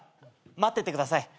待っててください。